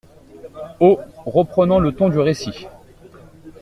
Haut, reprenant le ton du récit.